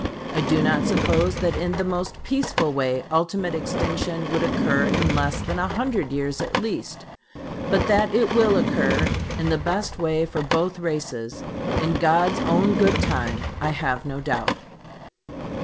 I do not suppose that in the most peaceful way ultimate extinction would occur in less than a hundred years at least; but that it will occur in the best way for both races, in God's own good time, I have no doubt.